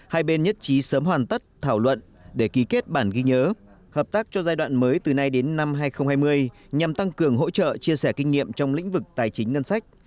hai bên nhất trí sớm hoàn tất thảo luận để ký kết bản ghi nhớ hợp tác cho giai đoạn mới từ nay đến năm hai nghìn hai mươi nhằm tăng cường hỗ trợ chia sẻ kinh nghiệm trong lĩnh vực tài chính ngân sách